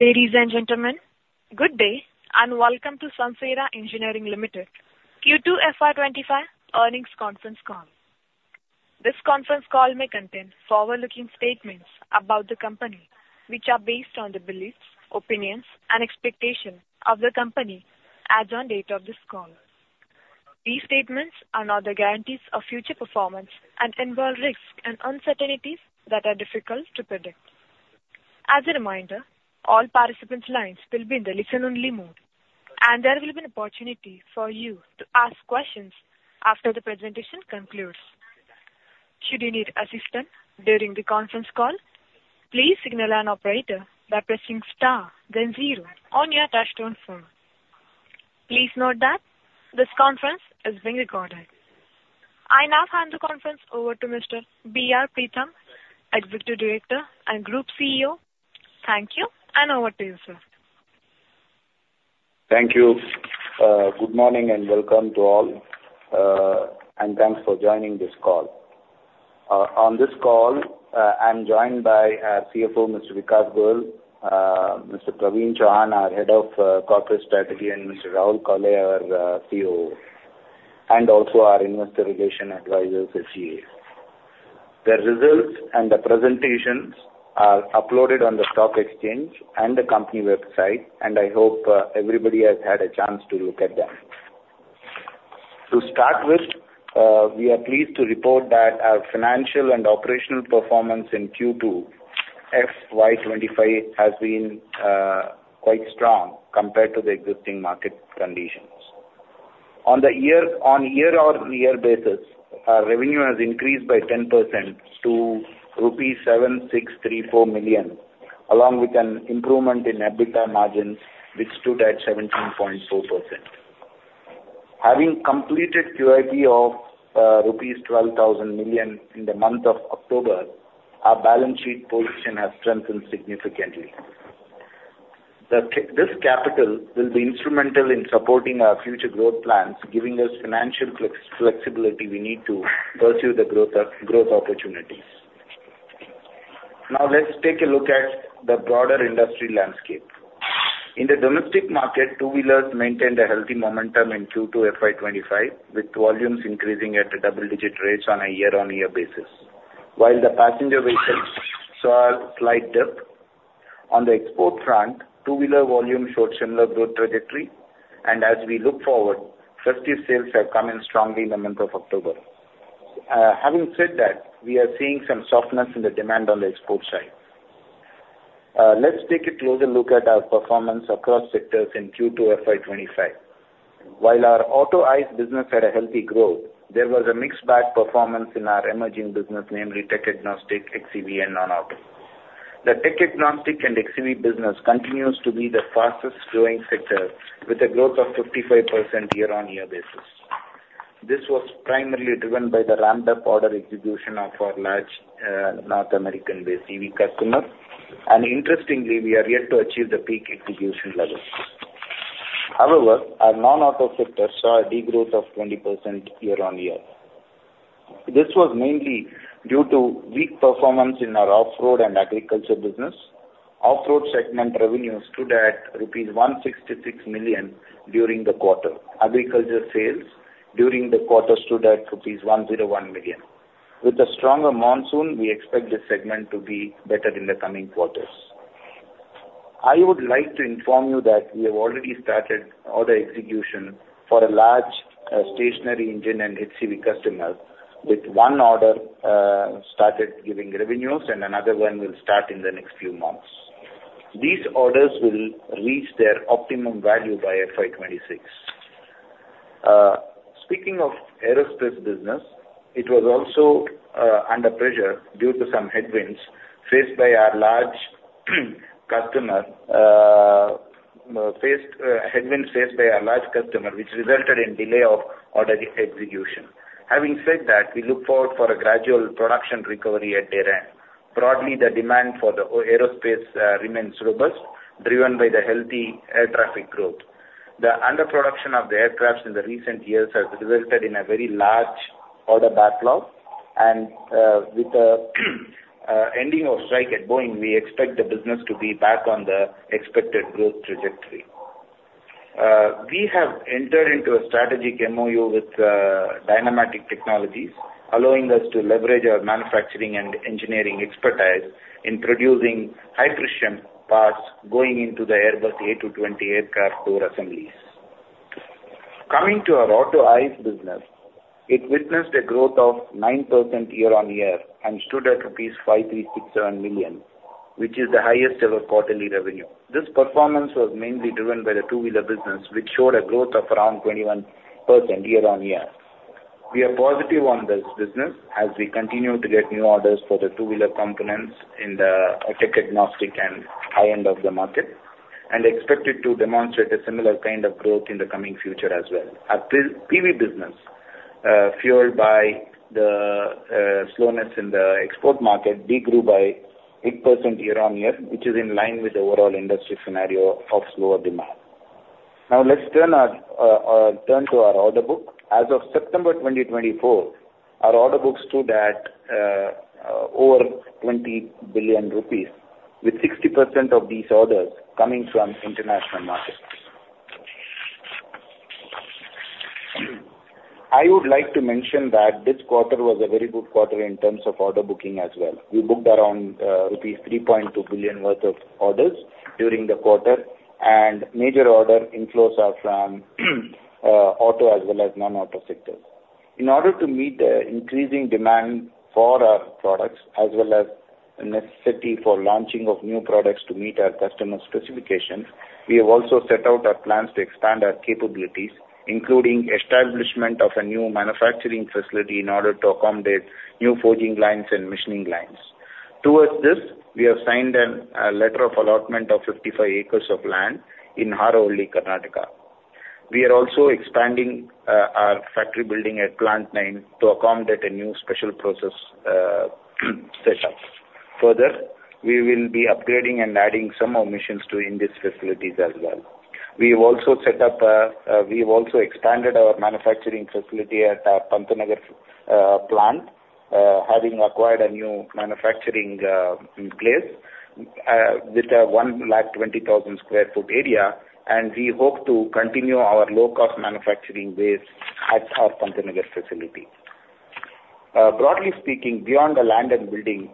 Ladies and gentlemen, good day and welcome to Sansera Engineering Limited Q2 FY25 Earnings Conference Call. This conference call may contain forward-looking statements about the company, which are based on the beliefs, opinions, and expectations of the company as on date of this call. These statements are not the guarantees of future performance and involve risks and uncertainties that are difficult to predict. As a reminder, all participants' lines will be in the listen-only mode, and there will be an opportunity for you to ask questions after the presentation concludes. Should you need assistance during the conference call, please signal an operator by pressing star, then zero on your touch-tone phone. Please note that this conference is being recorded. I now hand the conference over to Mr. B. R. Preetham, Executive Director and Group CEO. Thank you, and over to you, sir. Thank you. Good morning and welcome to all, and thanks for joining this call. On this call, I'm joined by our CFO, Mr. Vikas Goel, Mr. Praveen Chauhan, our Head of Corporate Strategy, and Mr. Rahul Kaul, our COO, and also our Investor Relations Advisors, SGA. The results and the presentations are uploaded on the stock exchange and the company website, and I hope everybody has had a chance to look at them. To start with, we are pleased to report that our financial and operational performance in Q2 FY25 has been quite strong compared to the existing market conditions. On a year on year basis, our revenue has increased by 10% to rupees 7,634 million, along with an improvement in EBITDA margins, which stood at 17.4%. Having completed QIP of rupees 12,000 million in the month of October, our balance sheet position has strengthened significantly. This capital will be instrumental in supporting our future growth plans, giving us financial flexibility we need to pursue the growth opportunities. Now, let's take a look at the broader industry landscape. In the domestic market, two-wheelers maintained a healthy momentum in Q2 FY25, with volumes increasing at double-digit rates on a year on year basis, while the passenger vehicles saw a slight dip. On the export front, two-wheeler volume showed similar growth trajectory, and as we look forward, festive sales have come in strongly in the month of October. Having said that, we are seeing some softness in the demand on the export side. Let's take a closer look at our performance across sectors in Q2 FY25. While our Auto ICE business had a healthy growth, there was a mixed bag performance in our emerging business, namely tech agnostic, xEV, and non-auto. The tech agnostic and xEV business continues to be the fastest-growing sector, with a growth of 55% year on year basis. This was primarily driven by the ramped-up order execution of our large North American-based EV customers, and interestingly, we are yet to achieve the peak execution level. However, our non-auto sector saw a degrowth of 20% year on year. This was mainly due to weak performance in our off-road and agriculture business. Off-road segment revenue stood at rupees 166 million during the quarter. Agriculture sales during the quarter stood at rupees 101 million. With a stronger monsoon, we expect this segment to be better in the coming quarters. I would like to inform you that we have already started order execution for a large stationary engine and xEV customer, with one order started giving revenues, and another one will start in the next few months. These orders will reach their optimum value by FY26. Speaking of aerospace business, it was also under pressure due to some headwinds faced by our large customer, which resulted in delay of order execution. Having said that, we look forward for a gradual production recovery at year end. Broadly, the demand for the aerospace remains robust, driven by the healthy air traffic growth. The underproduction of the aircraft in the recent years has resulted in a very large order backlog, and with the ending of strike at Boeing, we expect the business to be back on the expected growth trajectory. We have entered into a strategic MOU with Dynamatic Technologies, allowing us to leverage our manufacturing and engineering expertise in producing high-precision parts going into the Airbus A220 aircraft door assemblies. Coming to our Auto ICE business, it witnessed a growth of 9% year on year and stood at rupees 5,367 million, which is the highest-ever quarterly revenue. This performance was mainly driven by the two-wheeler business, which showed a growth of around 21% year on year. We are positive on this business as we continue to get new orders for the two-wheeler components in the tech agnostic and high-end of the market, and expect it to demonstrate a similar kind of growth in the coming future as well. Our PV Business, fueled by the slowness in the export market, degrew by 8% year on year, which is in line with the overall industry scenario of slower demand. Now, let's turn to our order book. As of September 2024, our order book stood at over 20 billion rupees, with 60% of these orders coming from international markets. I would like to mention that this quarter was a very good quarter in terms of order booking as well. We booked around rupees 3.2 billion worth of orders during the quarter, and major order inflows are from auto as well as non-auto sectors. In order to meet the increasing demand for our products, as well as the necessity for launching of new products to meet our customer specifications, we have also set out our plans to expand our capabilities, including establishment of a new manufacturing facility in order to accommodate new forging lines and machining lines. Towards this, we have signed a letter of allotment of 55 acres of land in Harohalli, Karnataka. We are also expanding our factory building at Plant 9 to accommodate a new special process setup. Further, we will be upgrading and adding some of the machines to existing facilities as well. We have also expanded our manufacturing facility at our Pantnagar Plant, having acquired a new manufacturing place with a 120,000 sq ft area, and we hope to continue our low-cost manufacturing base at our Pantnagar facility. Broadly speaking, beyond the land and building,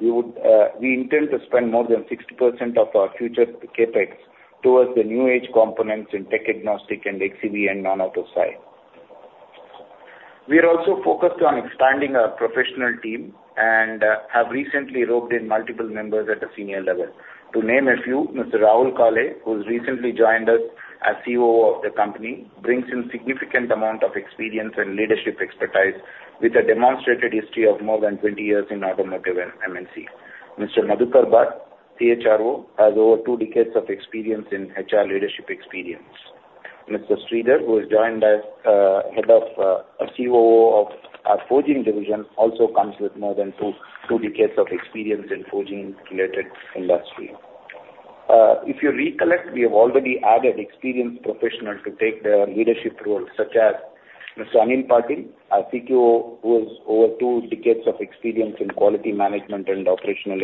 we intend to spend more than 60% of our future CapEx towards the new age components in tech agnostic and xEV and non-auto side. We are also focused on expanding our professional team and have recently roped in multiple members at the senior level. To name a few, Mr. Rahul Kaul, who has recently joined us as COO of the company, brings in a significant amount of experience and leadership expertise, with a demonstrated history of more than 20 years in automotive and MNC. Mr. Madhukar Bhat, CHRO, has over two decades of experience in HR leadership. Mr. Sridhar, who has joined as Head of Operations of our forging division, also comes with more than two decades of experience in forging-related industry. If you recollect, we have already added experienced professionals to take the leadership role, such as Mr. Anil Patil, our CQO, who has over two decades of experience in quality management and operational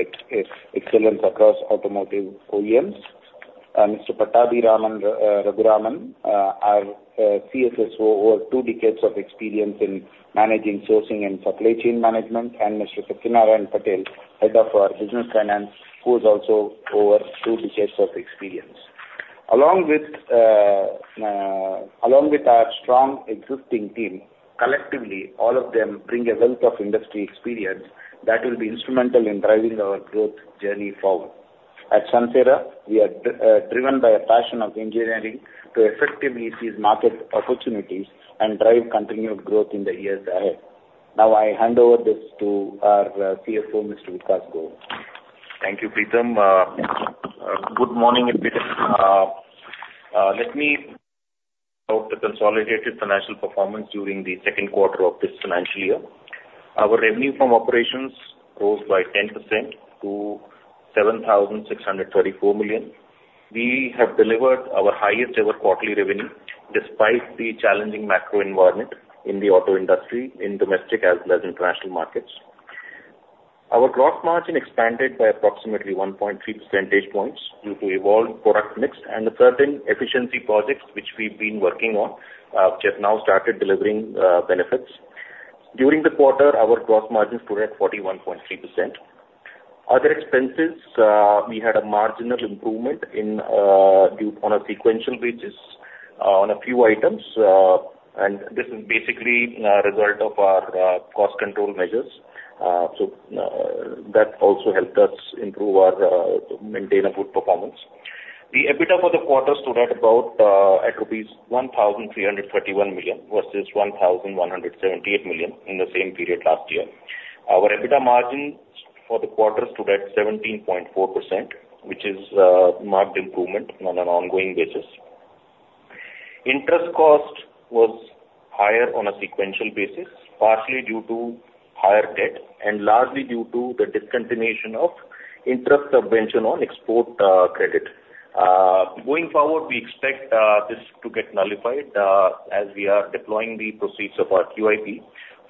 excellence across automotive OEMs. Mr. Pattabhiraman Raghuraman, our CSSO, over two decades of experience in managing sourcing and supply chain management, and Mr. Satyanarayan Patel, head of our business finance, who has also over two decades of experience. Along with our strong existing team, collectively, all of them bring a wealth of industry experience that will be instrumental in driving our growth journey forward. At Sansera, we are driven by a passion of engineering to effectively seize market opportunities and drive continued growth in the years ahead. Now, I hand over this to our CFO, Mr. Vikas Goel. Thank you, Preetham. Good morning, everyone. Let me talk about the consolidated financial performance during the second quarter of this financial year. Our revenue from operations rose by 10% to 7,634 million. We have delivered our highest-ever quarterly revenue, despite the challenging macro environment in the auto industry, in domestic as well as international markets. Our gross margin expanded by approximately 1.3 percentage points due to evolved product mix and certain efficiency projects, which we've been working on, which have now started delivering benefits. During the quarter, our gross margin stood at 41.3%. Other expenses, we had a marginal improvement on a sequential basis on a few items, and this is basically a result of our cost control measures. So that also helped us maintain a good performance. The EBITDA for the quarter stood at about rupees 1,331 million versus 1,178 million in the same period last year. Our EBITDA margin for the quarter stood at 17.4%, which is a marked improvement on an ongoing basis. Interest cost was higher on a sequential basis, partially due to higher debt and largely due to the discontinuation of interest subvention on export credit. Going forward, we expect this to get nullified as we are deploying the proceeds of our QIP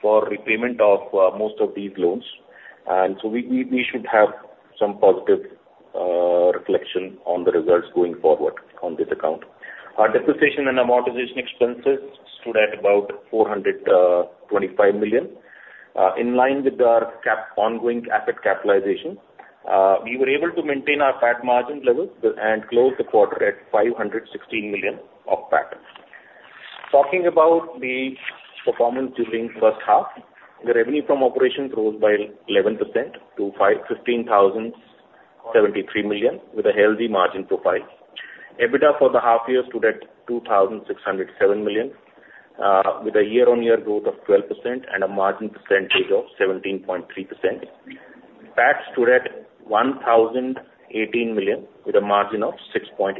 for repayment of most of these loans, and so we should have some positive reflection on the results going forward on this account. Our depreciation and amortization expenses stood at about 425 million. In line with our ongoing asset capitalization, we were able to maintain our PAT margin level and close the quarter at 516 million of PAT. Talking about the performance during the first half, the revenue from operations rose by 11% to 15,073 million, with a healthy margin profile. EBITDA for the half year stood at 2,607 million, with a year on year growth of 12% and a margin percentage of 17.3%. PAT stood at 1,018 million, with a margin of 6.8%.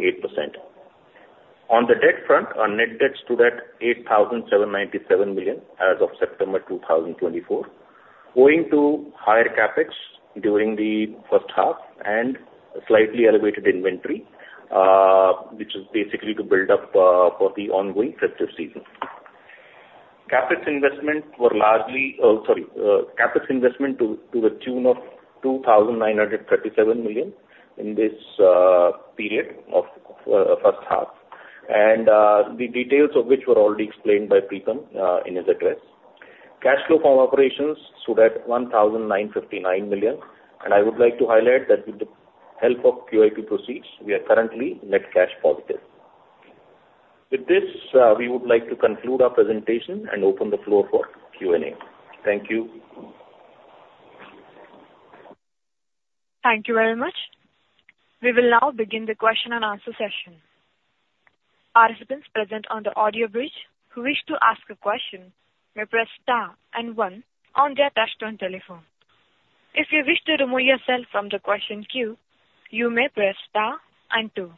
On the debt front, our net debt stood at 8,797 million as of September 2024, owing to higher CapEx during the first half and slightly elevated inventory, which is basically to build up for the ongoing festive season. CapEx investment to the tune of 2,937 million in this period of the first half, and the details of which were already explained by Preetham in his address. Cash flow from operations stood at 1,959 million, and I would like to highlight that with the help of QIP proceeds, we are currently net cash positive. With this, we would like to conclude our presentation and open the floor for Q and A. Thank you. Thank you very much. We will now begin the question and answer session. Participants present on the audio bridge who wish to ask a question may press Star and one on their touch-tone telephone. If you wish to remove yourself from the question queue, you may press Star and two.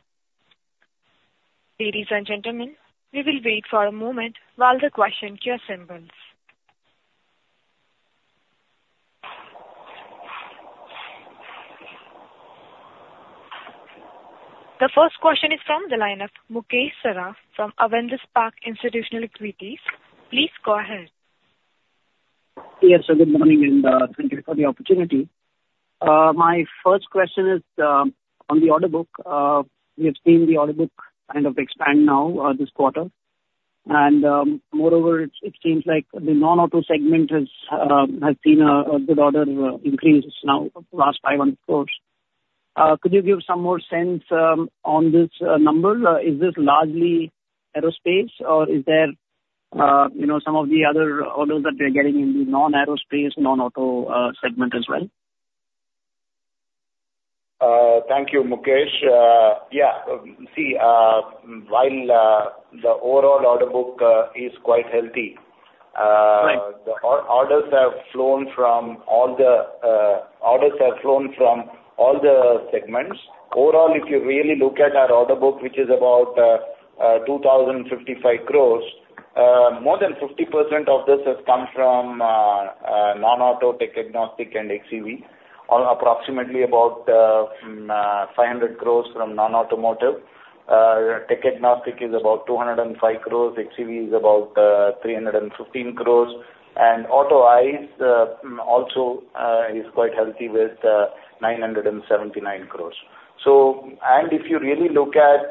Ladies and gentlemen, we will wait for a moment while the question queue assembles. The first question is from the line of Mukesh Saraf from Avendus Spark Institutional Equities. Please go ahead. Yes, so good morning and thank you for the opportunity. My first question is on the order book. We have seen the order book kind of expand now this quarter, and moreover, it seems like the non-auto segment has seen a good order increase now over the last five months, of course. Could you give some more sense on this number? Is this largely aerospace, or is there some of the other orders that we are getting in the non-aerospace, non-auto segment as well? Thank you, Mukesh. Yeah, see, while the overall order book is quite healthy, the orders have flown from all the segments. Overall, if you really look at our order book, which is about 2,055 crores, more than 50% of this has come from non-auto, tech agnostic, and xEV, approximately about 500 crores from non-automotive. Tech agnostic is about 205 crores, xEV is about 315 crores, and Auto ICE also is quite healthy with 979 crores. So, and if you really look at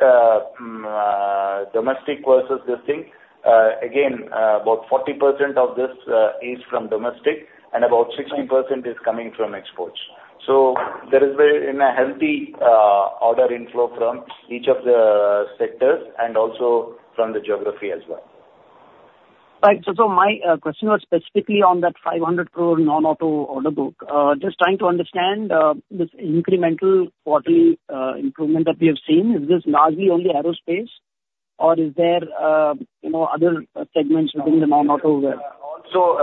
domestic versus this thing, again, about 40% of this is from domestic, and about 60% is coming from exports. So there is a healthy order inflow from each of the sectors and also from the geography as well. Right, so my question was specifically on that 500 crore non-auto order book. Just trying to understand this incremental quarterly improvement that we have seen, is this largely only aerospace, or is there other segments within the non-auto? Also,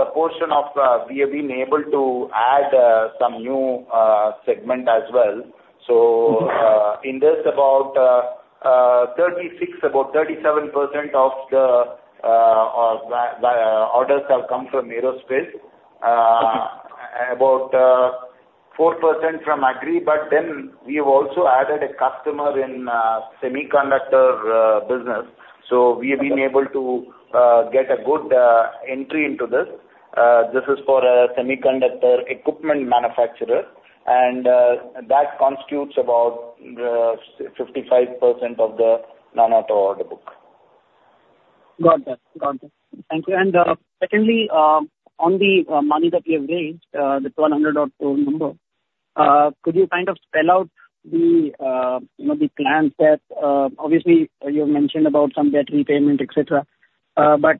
we have been able to add some new segments as well. So in this, about 36-37% of the orders have come from aerospace, about 4% from agri, but then we have also added a customer in semiconductor business. So we have been able to get a good entry into this. This is for a semiconductor equipment manufacturer, and that constitutes about 55% of the non-auto order book. Got it. Got it. Thank you. And secondly, on the money that we have raised, the 100 crore number, could you kind of spell out the plans that obviously you have mentioned about some debt repayment, etc.? But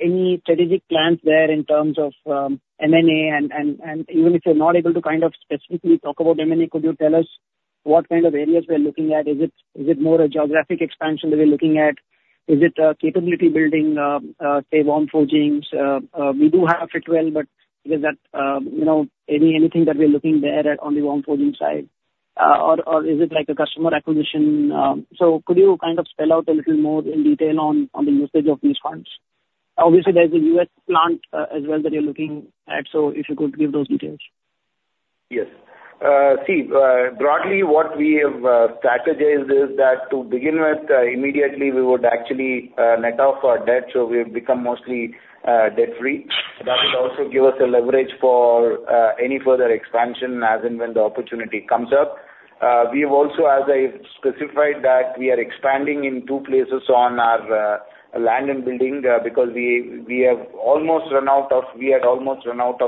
any strategic plans there in terms of M&A? And even if you're not able to kind of specifically talk about M&A, could you tell us what kind of areas we're looking at? Is it more a geographic expansion that we're looking at? Is it capability building, say, warm forgings? We do have Fitwel, but is that anything that we're looking there on the warm forging side? Or is it like a customer acquisition? So could you kind of spell out a little more in detail on the usage of these funds? Obviously, there's a U.S. plant as well that you're looking at, so if you could give those details. Yes. See, broadly, what we have strategized is that to begin with, immediately, we would actually net off our debt, so we have become mostly debt-free. That would also give us a leverage for any further expansion as and when the opportunity comes up. We have also, as I specified, that we are expanding in two places on our land and building because we had almost run out of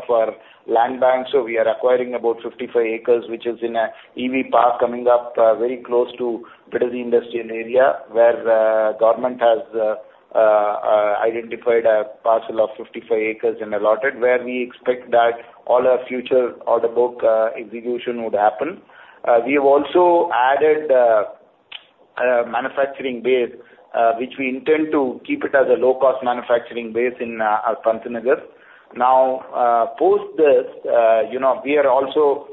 our land bank, so we are acquiring about 55 acres, which is in an EV Park coming up very close to Bidadi Industrial Area, where the government has identified a parcel of 55 acres and allotted, where we expect that all our future order book execution would happen. We have also added a manufacturing base, which we intend to keep it as a low-cost manufacturing base in Pantnagar. Now, post this, we are also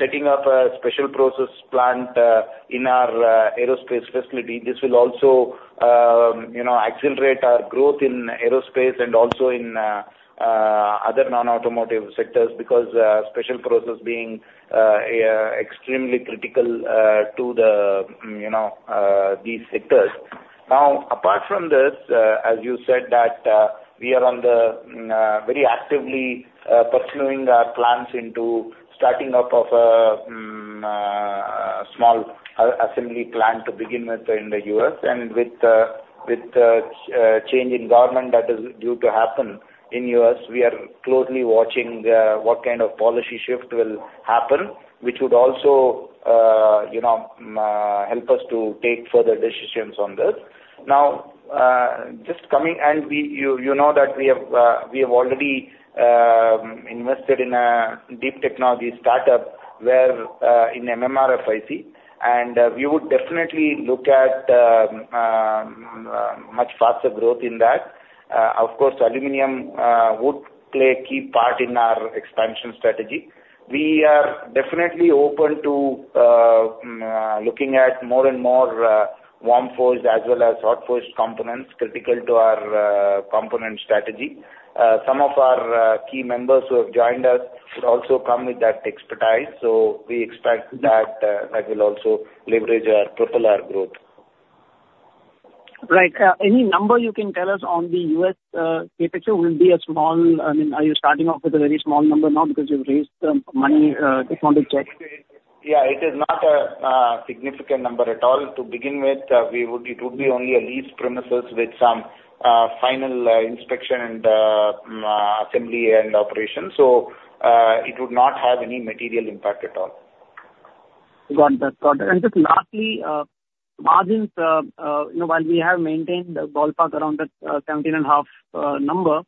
setting up a special process plant in our aerospace facility. This will also accelerate our growth in aerospace and also in other non-automotive sectors because special process being extremely critical to these sectors. Now, apart from this, as you said, that we are very actively pursuing our plans into starting up a small assembly plant to begin with in the U.S. And with the change in government that is due to happen in the U.S., we are closely watching what kind of policy shift will happen, which would also help us to take further decisions on this. Now, just coming, and you know that we have already invested in a deep technology startup in MMRFIC, and we would definitely look at much faster growth in that. Of course, aluminum would play a key part in our expansion strategy. We are definitely open to looking at more and more warm forged as well as hot forged components critical to our component strategy. Some of our key members who have joined us would also come with that expertise, so we expect that will also leverage or propel our growth. Right. Any number you can tell us on the U.S. picture will be small, I mean, are you starting off with a very small number now because you've raised the money to fund the CapEx? Yeah, it is not a significant number at all. To begin with, it would be only a lease premises with some final inspection and assembly and operation, so it would not have any material impact at all. Got it. Got it. And just lastly, margins, while we have maintained the ballpark around the 17.5% number,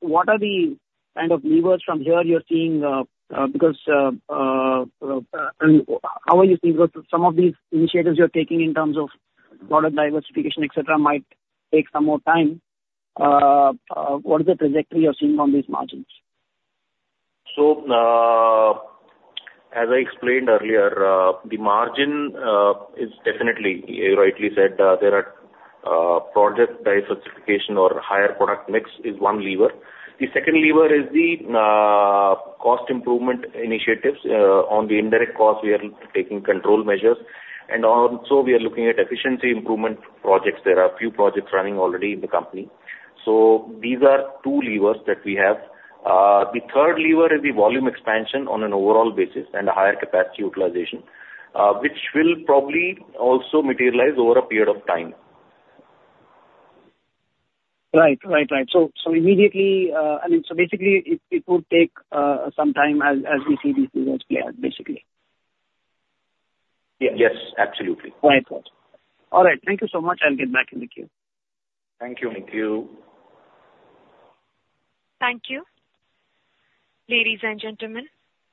what are the kind of levers from here you're seeing? Because how are you seeing some of these initiatives you're taking in terms of product diversification, etc., might take some more time. What is the trajectory you're seeing on these margins? So, as I explained earlier, the margin is definitely, you rightly said, there are product diversification or higher product mix is one lever. The second lever is the cost improvement initiatives. On the indirect cost, we are taking control measures, and also we are looking at efficiency improvement projects. There are a few projects running already in the company. So these are two levers that we have. The third lever is the volume expansion on an overall basis and a higher capacity utilization, which will probably also materialize over a period of time. Right. So immediately, I mean, so basically, it would take some time as we see these levers play out, basically. Yes. Yes, absolutely. Right. All right. Thank you so much. I'll get back in the queue. Thank you. Thank you. Thank you. Ladies and gentlemen,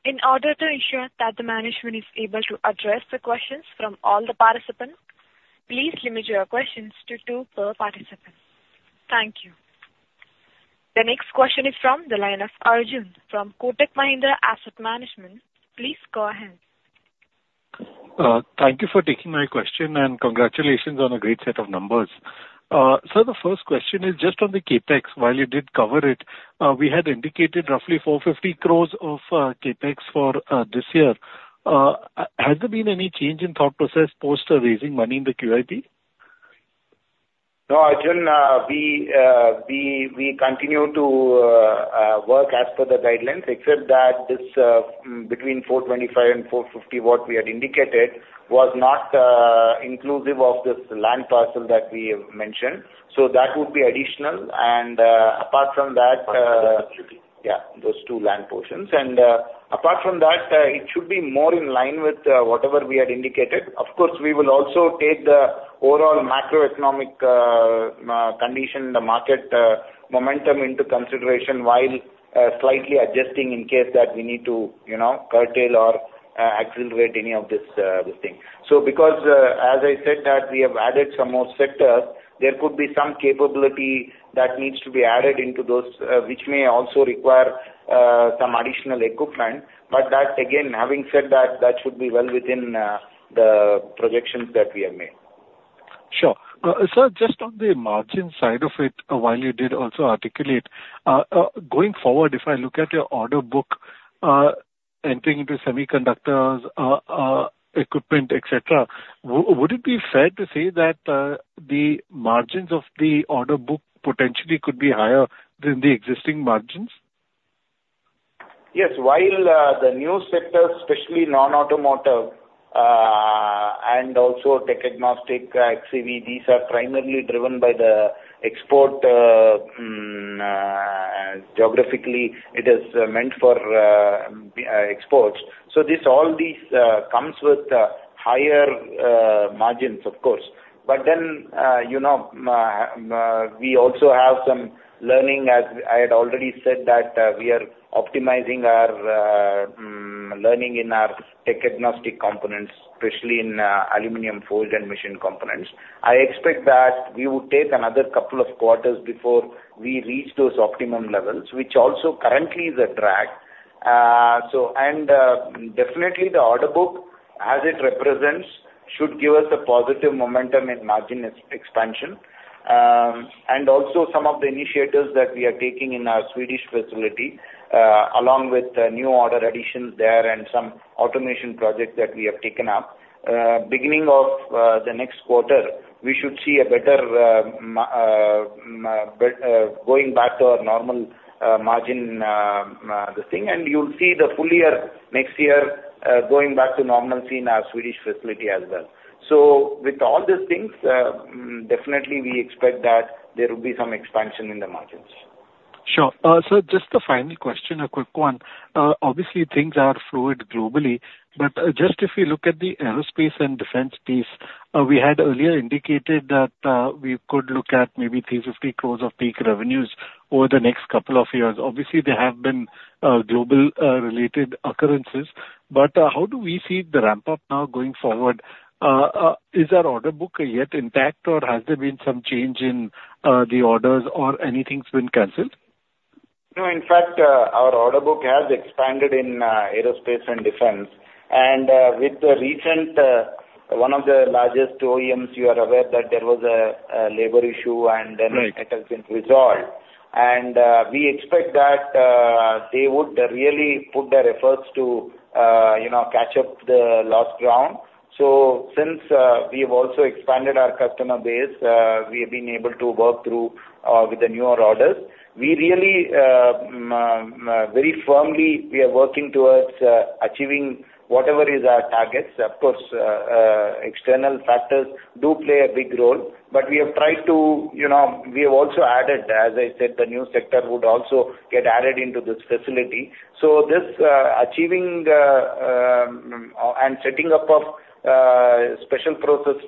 in order to ensure that the management is able to address the questions from all the participants, please limit your questions to two per participant. Thank you. The next question is from the line of Arjun from Kotak Mahindra Asset Management. Please go ahead. Thank you for taking my question, and congratulations on a great set of numbers. So the first question is just on the CapEx. While you did cover it, we had indicated roughly 450 crores of CapEx for this year. Has there been any change in thought process post raising money in the QIP? No, Arjun, we continue to work as per the guidelines, except that this between 425 and 450 crores, what we had indicated, was not inclusive of this land parcel that we have mentioned. So that would be additional. And apart from that, yeah, those two land portions. And apart from that, it should be more in line with whatever we had indicated. Of course, we will also take the overall macroeconomic condition, the market momentum into consideration while slightly adjusting in case that we need to curtail or accelerate any of this thing. So because, as I said, that we have added some more sectors, there could be some capability that needs to be added into those, which may also require some additional equipment. But that, again, having said that, that should be well within the projections that we have made. Sure. So just on the margin side of it, while you did also articulate, going forward, if I look at your order book entering into semiconductors, equipment, etc., would it be fair to say that the margins of the order book potentially could be higher than the existing margins? Yes. While the new sectors, especially non-automotive and also tech agnostic, xEV, these are primarily driven by the export geographically, it is meant for exports. So all these comes with higher margins, of course. But then we also have some learning, as I had already said, that we are optimizing our learning in our tech agnostic components, especially in aluminum forged and machined components. I expect that we would take another couple of quarters before we reach those optimum levels, which also currently is a drag. And definitely, the order book, as it represents, should give us a positive momentum in margin expansion. And also some of the initiatives that we are taking in our Swedish facility, along with new order additions there and some automation projects that we have taken up, beginning of the next quarter, we should see a better going back to our normal margin thing. You'll see the full year next year going back to normalcy in our Swedish facility as well. With all these things, definitely, we expect that there will be some expansion in the margins. Sure, so just the final question, a quick one. Obviously, things are fluid globally, but just if we look at the aerospace and defense piece, we had earlier indicated that we could look at maybe 350 crores of peak revenues over the next couple of years. Obviously, there have been global related occurrences, but how do we see the ramp-up now going forward? Is our order book yet intact, or has there been some change in the orders, or anything's been canceled? No, in fact, our order book has expanded in aerospace and defense, and with the recent one of the largest OEMs, you are aware that there was a labor issue, and then it has been resolved. We expect that they would really put their efforts to catch up the lost ground. Since we have also expanded our customer base, we have been able to work through with the newer orders. We really, very firmly, are working towards achieving whatever is our targets. Of course, external factors do play a big role, but we have also added, as I said, the new sector would also get added into this facility. This achieving and setting up a special process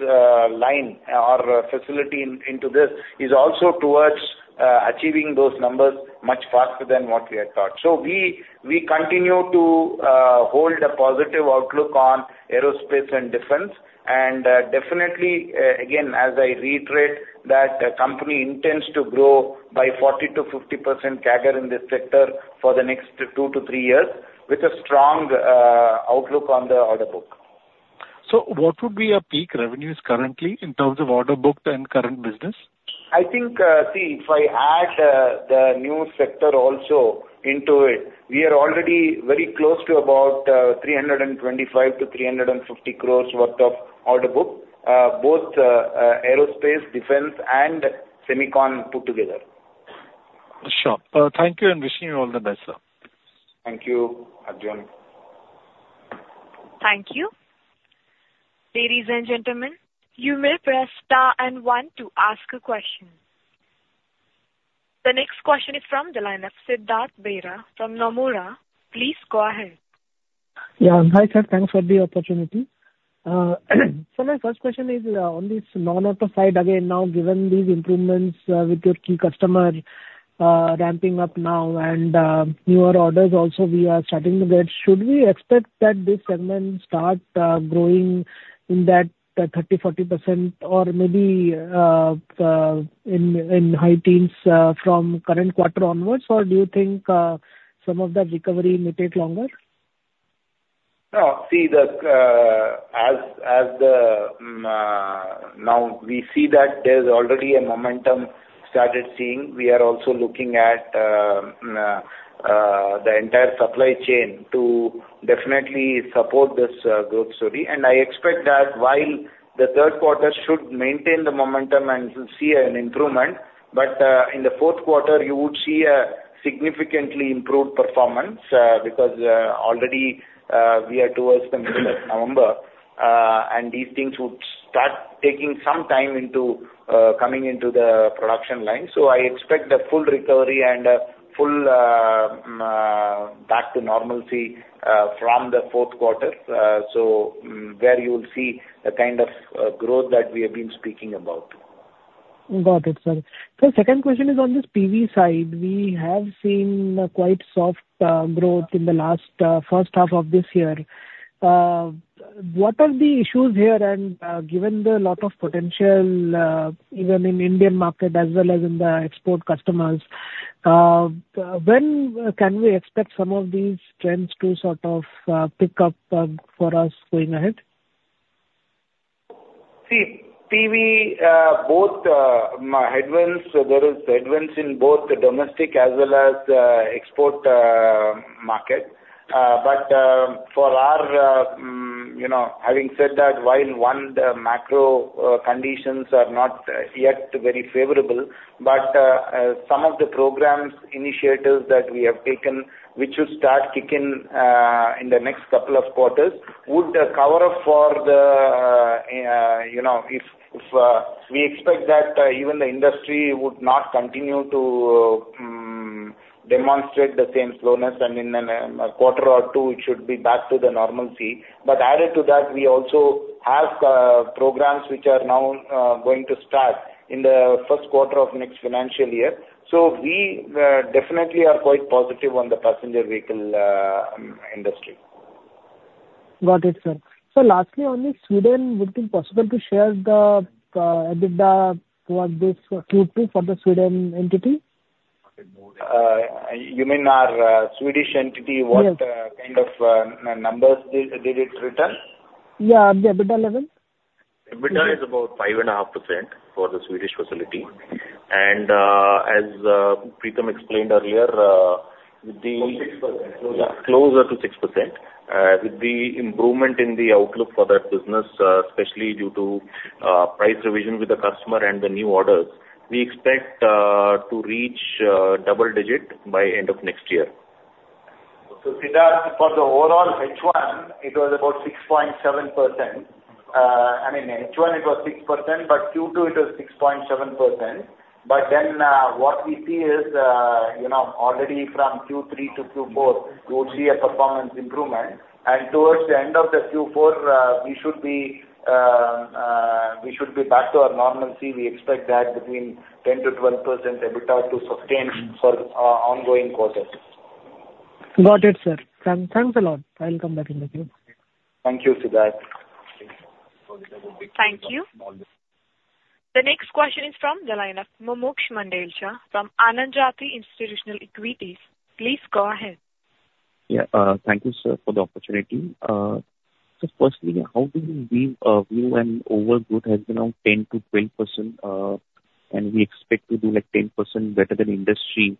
line or facility into this is also towards achieving those numbers much faster than what we had thought. So we continue to hold a positive outlook on aerospace and defense. And definitely, again, as I reiterate, that company intends to grow by 40% to 50% CAGR in this sector for the next two to three years with a strong outlook on the order book. So what would be your peak revenues currently in terms of order booked and current business? I think, see, if I add the new sector also into it, we are already very close to about 325 to 350 crores worth of order book, both aerospace, defense, and semiconductor put together. Sure. Thank you, and wishing you all the best, sir. Thank you, Arjun. Thank you. Ladies and gentlemen, you may press star and one to ask a question. The next question is from the line of Siddhartha Bera from Nomura. Please go ahead. Yeah. Hi, sir. Thanks for the opportunity. So my first question is on this non-auto side again, now given these improvements with your key customer ramping up now and newer orders also we are starting to get, should we expect that this segment start growing in that 30% to 40%, or maybe in high teens from current quarter onwards, or do you think some of that recovery may take longer? No. See, as now we see that there's already a momentum started seeing. We are also looking at the entire supply chain to definitely support this growth story, and I expect that while the third quarter should maintain the momentum and see an improvement, but in the fourth quarter, you would see a significantly improved performance because already we are towards the middle of November, and these things would start taking some time into coming into the production line, so I expect the full recovery and full back to normalcy from the fourth quarter, so where you will see the kind of growth that we have been speaking about. Got it, sir. So second question is on this PV side. We have seen quite soft growth in the last first half of this year. What are the issues here? And given a lot of potential, even in Indian market as well as in the export customers, when can we expect some of these trends to sort of pick up for us going ahead? See, PV, there are headwinds in both domestic as well as export market. But for us, having said that, while the macro conditions are not yet very favorable, but some of the program initiatives that we have taken, which should start kicking in the next couple of quarters, would cover for that if we expect that even the industry would not continue to demonstrate the same slowness, and in a quarter or two, it should be back to the normalcy. But added to that, we also have programs which are now going to start in the first quarter of next financial year. So we definitely are quite positive on the passenger vehicle industry. Got it, sir. So lastly, only Sweden, would it be possible to share the EBITDA for this Q2 for the Sweden entity? You mean our Swedish entity? Yeah. What kind of numbers did it return? Yeah, the EBITDA level? EBITDA is about 5.5% for the Swedish facility. And as Preetham explained earlier, with the closer to 6%, with the improvement in the outlook for that business, especially due to price revision with the customer and the new orders, we expect to reach double-digit by end of next year. So for the overall H1, it was about 6.7%. I mean, H1, it was 6%, but Q2, it was 6.7%. But then what we see is already from Q3 to Q4, you will see a performance improvement. And towards the end of the Q4, we should be back to our normalcy. We expect that between 10% to 12% EBITDA to sustain for ongoing quarters. Got it, sir. Thanks a lot. I'll come back in the queue. Thank you, Siddhartha. Thank you. The next question is from the line of Mumuksh Mandlesha from Anand Rathi Institutional Equities. Please go ahead. Yeah. Thank you, sir, for the opportunity. So firstly, how do you view an overall growth has been around 10% to 12%, and we expect to do like 10% better than industry?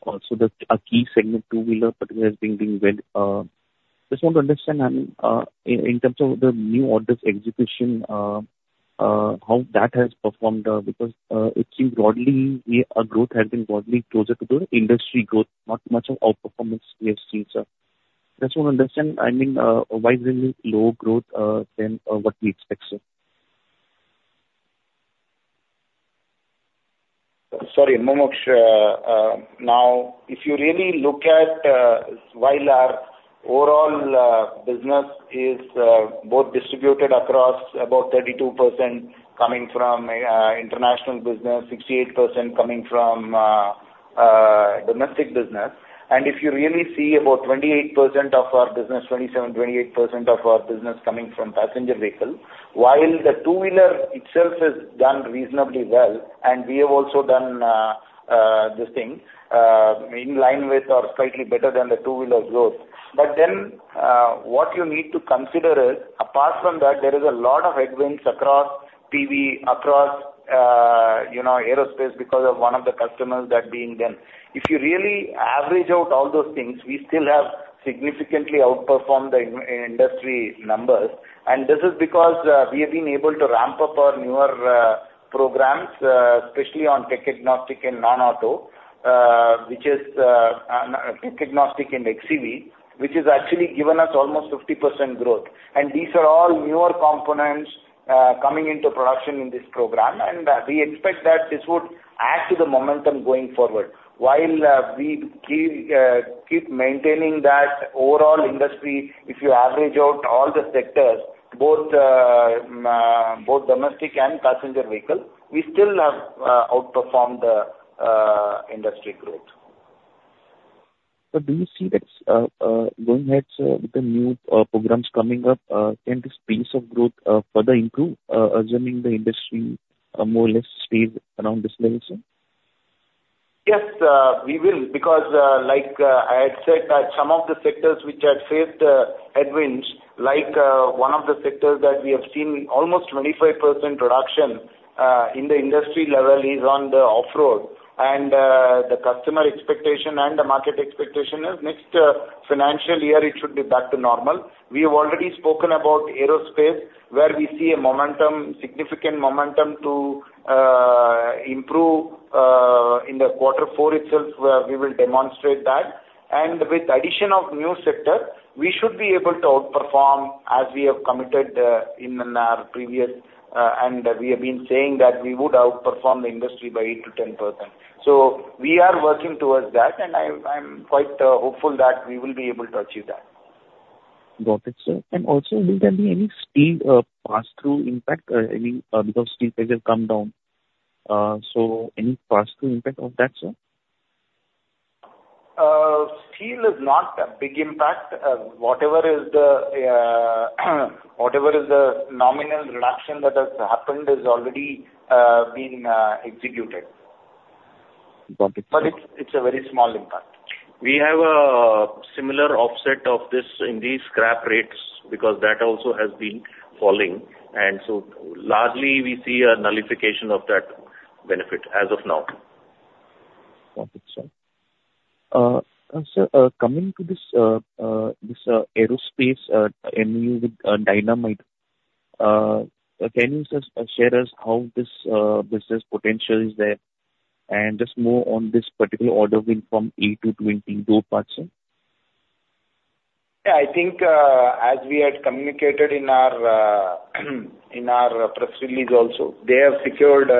Also, the key segment, two-wheeler, particularly has been doing well. Just want to understand, I mean, in terms of the new orders execution, how that has performed because it seems broadly, our growth has been broadly closer to the industry growth, not much of outperformance we have seen, sir. Just want to understand, I mean, why is there low growth than what we expect, sir? Sorry, Mumuksh. Now, if you really look at while our overall business is both distributed across about 32% coming from international business, 68% coming from domestic business. If you really see about 28% of our business, 27-28% of our business coming from passenger vehicle, while the two-wheeler itself has done reasonably well, and we have also done this thing in line with or slightly better than the two-wheeler growth. What you need to consider is, apart from that, there is a lot of headwinds across PV, across aerospace because of one of the customers that being them. If you really average out all those things, we still have significantly outperformed the industry numbers. This is because we have been able to ramp up our newer programs, especially on tech agnostic and non-auto, which is tech agnostic and xEV, which has actually given us almost 50% growth. These are all newer components coming into production in this program. We expect that this would add to the momentum going forward. While we keep maintaining that overall industry, if you average out all the sectors, both domestic and passenger vehicle, we still have outperformed the industry growth. But do you see that going ahead, sir, with the new programs coming up, can this pace of growth further improve, assuming the industry more or less stays around this level, sir? Yes, we will. Because, like I had said, some of the sectors which had faced headwinds, like one of the sectors that we have seen almost 25% reduction in the industry level is on the off-road, and the customer expectation and the market expectation is next financial year, it should be back to normal. We have already spoken about aerospace, where we see a significant momentum to improve in the quarter four itself, where we will demonstrate that, and with the addition of new sectors, we should be able to outperform as we have committed in our previous, and we have been saying that we would outperform the industry by 8%-10%, so we are working towards that, and I'm quite hopeful that we will be able to achieve that. Got it, sir. And also, will there be any steel pass-through impact? I mean, because steel prices have come down. So any pass-through impact of that, sir? Steel is not a big impact. Whatever is the nominal reduction that has happened has already been executed. Got it, sir. But it's a very small impact. We have a similar offset of this in these scrap rates because that also has been falling. And so largely, we see a nullification of that benefit as of now. Got it, sir. Sir, coming to this aerospace MOU with Dynamatic, can you share us how this business potential is there? And just more on this particular order win from A220 program, sir? Yeah. I think as we had communicated in our press release also, they have secured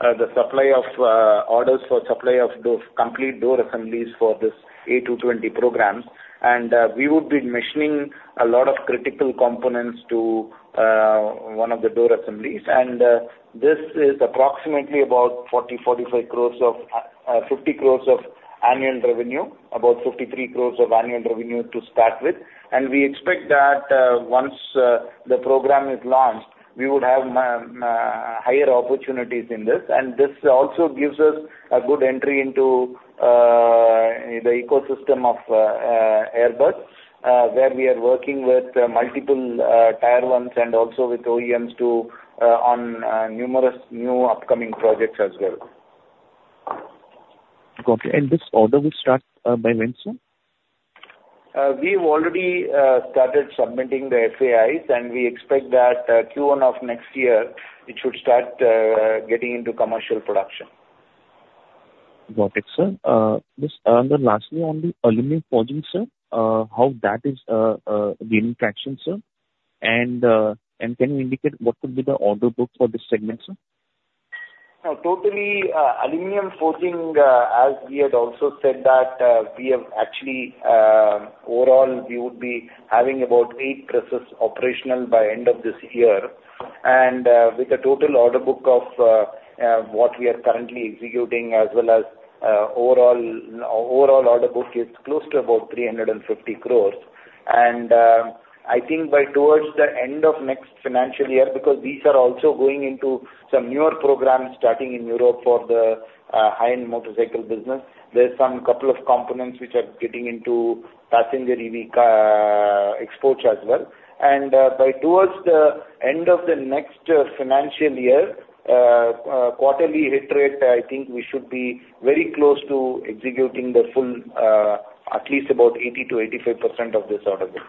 the supply of orders for supply of complete door assemblies for this A220 program. And we would be machining a lot of critical components to one of the door assemblies. And this is approximately about 40-45 crores or 50 crores of annual revenue, about 53 crores of annual revenue to start with. And we expect that once the program is launched, we would have higher opportunities in this. And this also gives us a good entry into the ecosystem of Airbus, where we are working with multiple Tier 1 and also with OEMs on numerous new upcoming projects as well. Got it. And this order will start by when, sir? We have already started submitting the FAIs, and we expect that Q1 of next year, it should start getting into commercial production. Got it, sir. Just lastly, on the aluminum forging, sir, how that is gaining traction, sir? And can you indicate what could be the order book for this segment, sir? Totally, aluminum forging, as we had also said, that we have actually overall, we would be having about eight presses operational by end of this year. And with the total order book of what we are currently executing, as well as overall order book, it's close to about 350 crores. And I think by towards the end of next financial year, because these are also going into some newer programs starting in Europe for the high-end motorcycle business, there's some couple of components which are getting into passenger EV exports as well. And by towards the end of the next financial year, quarterly hit rate, I think we should be very close to executing the full, at least about 80% to 85% of this order book.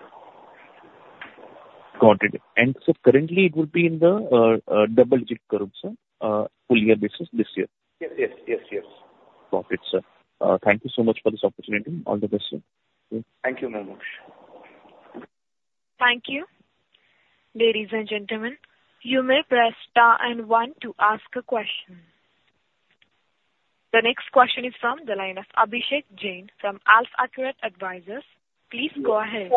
Got it. And so currently, it would be in the double-digit curve, sir, full-year basis this year? Yes, yes, yes, yes. Got it, sir. Thank you so much for this opportunity. All the best, sir. Thank you, Mumuksh. Thank you, ladies and gentlemen. You may press star and one to ask a question. The next question is from the line of Abhishek Jain from AlfAccurate Advisors. Please go ahead.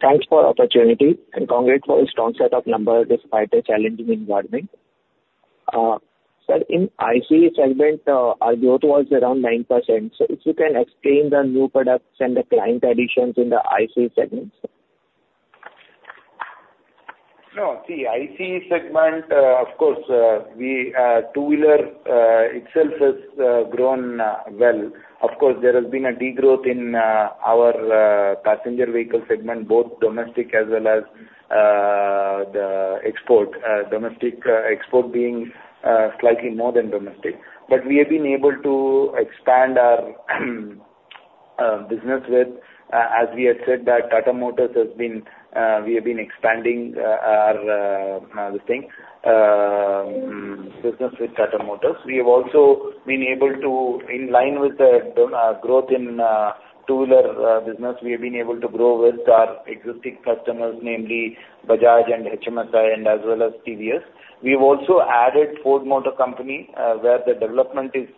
Thanks for the opportunity and congrats for this strong setup number despite the challenging environment. Sir, in ICE segment, our growth was around 9%. So if you can explain the new products and the client additions in the ICE segment, sir? No, see, ICE segment, of course, two-wheeler itself has grown well. Of course, there has been a degrowth in our passenger vehicle segment, both domestic as well as the export, domestic export being slightly more than domestic. But we have been able to expand our business with, as we had said, that Tata Motors has been we have been expanding our business with Tata Motors. We have also been able to, in line with the growth in two-wheeler business, we have been able to grow with our existing customers, namely Bajaj and HMSI and as well as TVS. We have also added Ford Motor Company, where the development is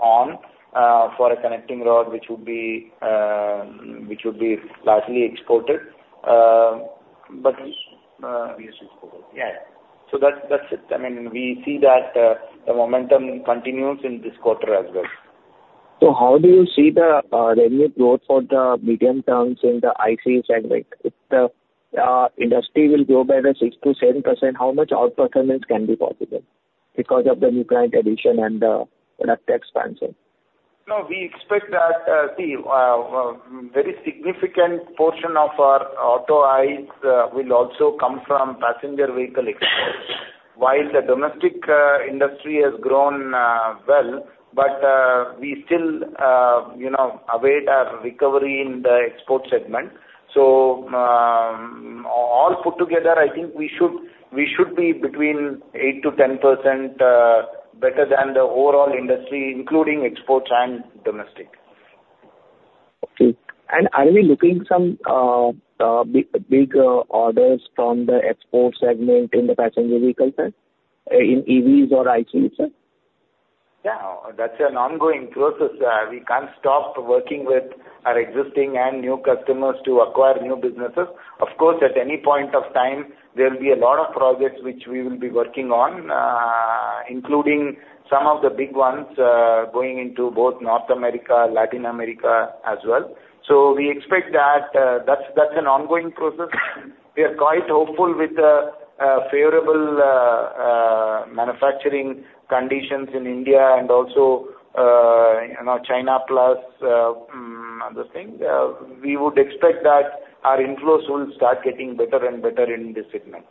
on for a connecting rod, which would be largely exported. But yes. So that's it. I mean, we see that the momentum continues in this quarter as well. How do you see the revenue growth for the medium terms in the IC segment? If the industry will grow by 6%-7%, how much outperformance can be possible because of the new client addition and the product expansion? No, we expect that, see, a very significant portion of our Auto ICE will also come from passenger vehicle exports. While the domestic industry has grown well, but we still await our recovery in the export segment. So all put together, I think we should be between 8% to 10% better than the overall industry, including exports and domestic. Okay. And are we looking at some big orders from the export segment in the passenger vehicle sector, in EVs or IC, sir? Yeah. That's an ongoing process. We can't stop working with our existing and new customers to acquire new businesses. Of course, at any point of time, there will be a lot of projects which we will be working on, including some of the big ones going into both North America, Latin America as well. So we expect that that's an ongoing process. We are quite hopeful with the favorable manufacturing conditions in India and also China plus other things. We would expect that our inflows will start getting better and better in this segment.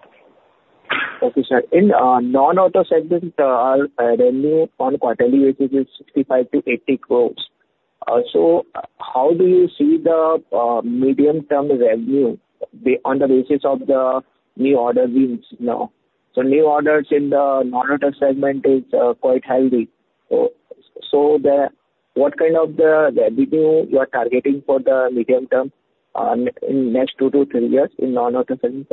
Okay, sir. In non-auto segment, our revenue on quarterly basis is 65-80 crores. So how do you see the medium-term revenue on the basis of the new order wins now? So new orders in the non-auto segment is quite heavy. So what kind of revenue you are targeting for the medium term in the next two to three years in non-auto segment?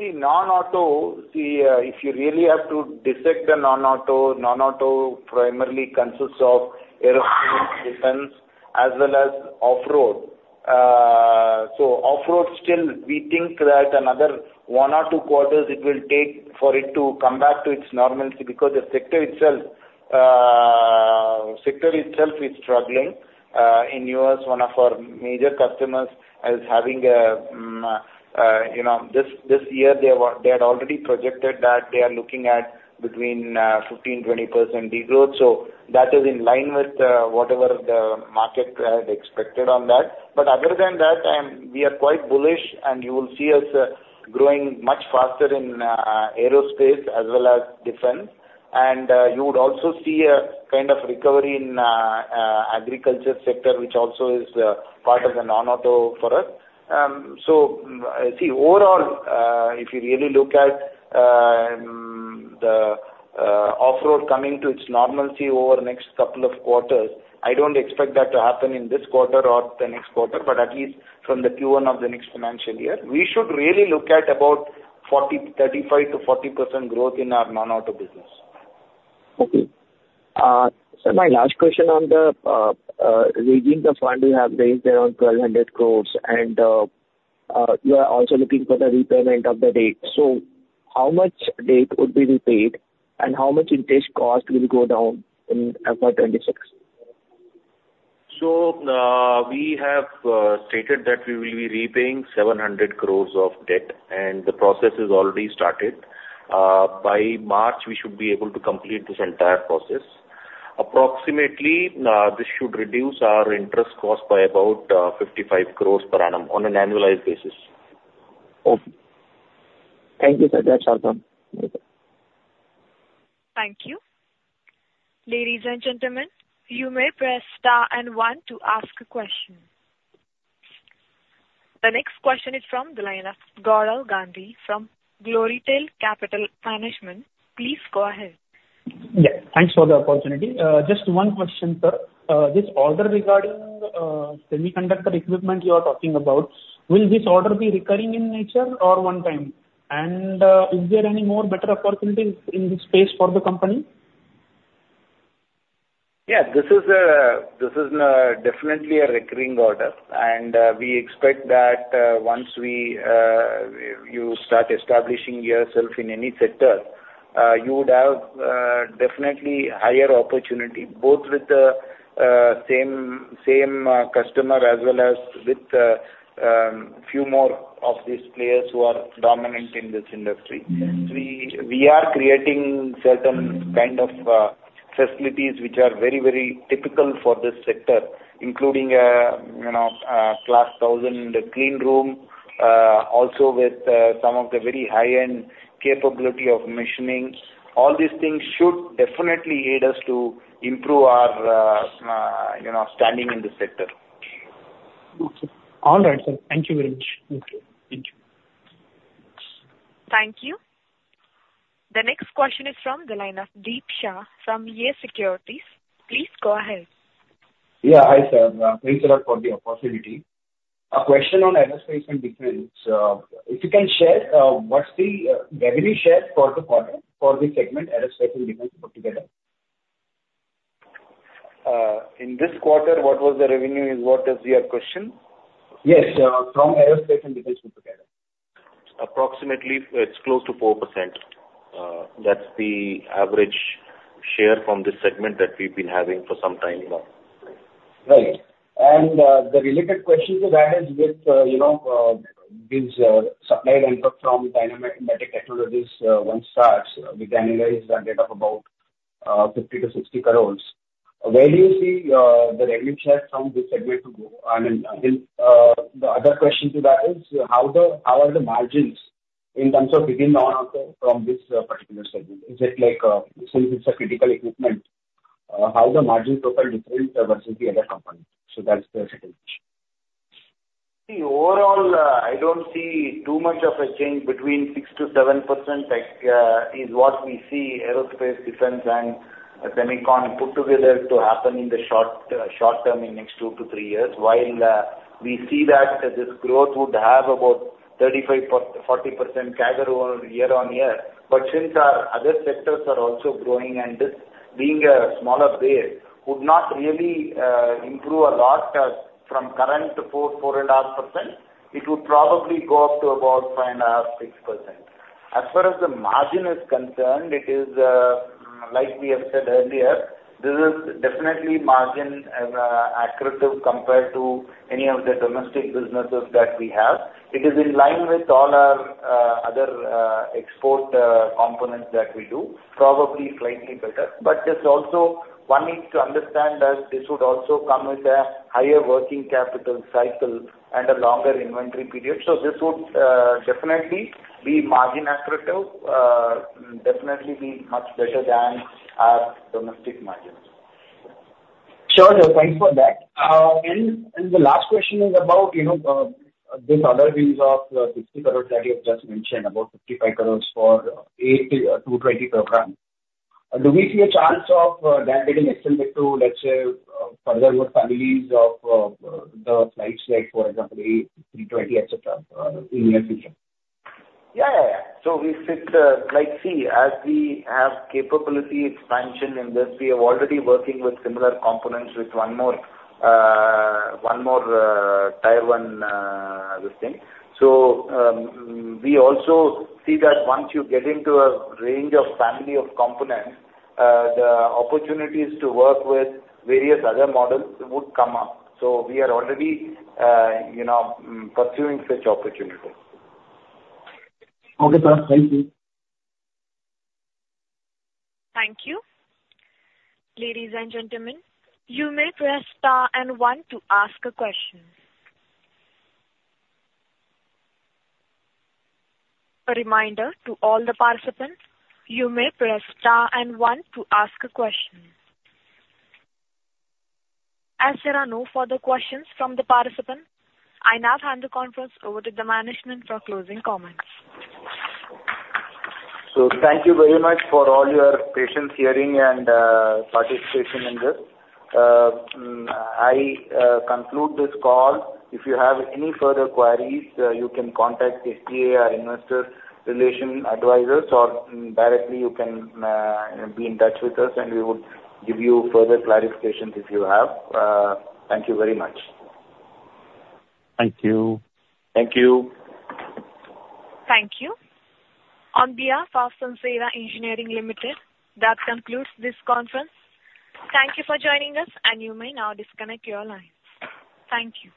See, non-auto. See, if you really have to dissect the non-auto, non-auto primarily consists of aerospace defense as well as off-road. So off-road, still, we think that another one or two quarters it will take for it to come back to its normalcy because the sector itself is struggling. In the U.S., one of our major customers is having a this year. They had already projected that they are looking at between 15%-20% degrowth. So that is in line with whatever the market had expected on that. But other than that, we are quite bullish, and you will see us growing much faster in aerospace as well as defense. And you would also see a kind of recovery in the agriculture sector, which also is part of the non-auto for us. So see, overall, if you really look at the off-road coming to its normalcy over the next couple of quarters, I don't expect that to happen in this quarter or the next quarter, but at least from the Q1 of the next financial year, we should really look at about 35%-40% growth in our non-auto business. Okay. Sir, my last question on the raising the fund you have raised there on 1,200 crores. And you are also looking for the repayment of the debt. So how much debt would be repaid, and how much interest cost will go down in FY26? We have stated that we will be repaying 700 crores of debt, and the process has already started. By March, we should be able to complete this entire process. Approximately, this should reduce our interest cost by about 55 crores per annum on an annualized basis. Okay. Thank you, sir. That's all from me. Thank you. Ladies and gentlemen, you may press star and one to ask a question. The next question is from Gaurav Gandhi from Glorytail Capital Management. Please go ahead. Yes. Thanks for the opportunity. Just one question, sir. This order regarding semiconductor equipment you are talking about, will this order be recurring in nature or one-time? And is there any more better opportunities in this space for the company? Yes. This is definitely a recurring order. And we expect that once you start establishing yourself in any sector, you would have definitely higher opportunity, both with the same customer as well as with a few more of these players who are dominant in this industry. We are creating certain kind of facilities which are very, very typical for this sector, including a Class 1000 Clean Room, also with some of the very high-end capability of machining. All these things should definitely aid us to improve our standing in the sector. Okay. All right, sir. Thank you very much. Thank you. Thank you. The next question is from Deep Shah from YES Securities. Please go ahead. Yeah. Hi, sir. Thanks a lot for the opportunity. A question on aerospace and defense. If you can share what's the revenue share for the quarter for the segment aerospace and defense put together? In this quarter, what was the revenue? Is what is your question? Yes. From aerospace and defense put together. Approximately, it's close to 4%. That's the average share from this segment that we've been having for some time now. Right. And the related question to that is with this supply line from Dynamatic Technologies once starts, we can analyze that data of about 50-60 crores. Where do you see the revenue share from this segment to go? I mean, the other question to that is how are the margins in terms of within non-auto from this particular segment? Is it like since it's a critical equipment, how the margins look at different versus the other companies? So that's the second question. See, overall, I don't see too much of a change between 6 to 7% is what we see aerospace, defense, and semiconductor put together to happen in the short term in the next two to three years. While we see that this growth would have about 35 to 40% CAGR year on year. But since our other sectors are also growing and this being a smaller base, would not really improve a lot from current to 4 to 4.5%. It would probably go up to about 5.5 to 6%. As far as the margin is concerned, it is, like we have said earlier, this is definitely margin accretive compared to any of the domestic businesses that we have. It is in line with all our other export components that we do, probably slightly better. But there's also one needs to understand that this would also come with a higher working capital cycle and a longer inventory period, so this would definitely be margin accretive, definitely be much better than our domestic margins. Sure. Thanks for that. And the last question is about this other wins of 60 crores that you have just mentioned, about 55 crores for A220 Program. Do we see a chance of that getting extended to, let's say, other families of the aircraft, like for example, A320, etc., in the near future? So, we fit flight C as we have capability expansion in this. We have already working with similar components with one more Taiwanese thing. So, we also see that once you get into a range or family of components, the opportunities to work with various other models would come up. So, we are already pursuing such opportunities. Okay, sir. Thank you. Thank you. Ladies and gentlemen, you may press star and one to ask a question. A reminder to all the participants, you may press star and one to ask a question. As there are no further questions from the participants, I now hand the conference over to the management for closing comments. So thank you very much for all your patience, hearing, and participation in this. I conclude this call. If you have any further queries, you can contact SGA, our investor relations advisors, or directly you can be in touch with us, and we would give you further clarifications if you have. Thank you very much. Thank you. Thank you. Thank you. On behalf of Sansera Engineering Limited, that concludes this conference. Thank you for joining us, and you may now disconnect your lines. Thank you.